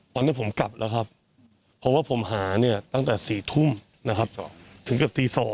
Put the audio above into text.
ตอนนี้ผมกลับแล้วครับเพราะว่าผมหาเนี่ยตั้งแต่๔ทุ่มนะครับถึงเกือบตี๒